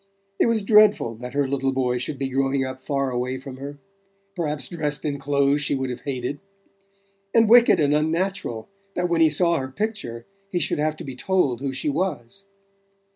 It was dreadful that her little boy should be growing up far away from her, perhaps dressed in clothes she would have hated; and wicked and unnatural that when he saw her picture he should have to be told who she was.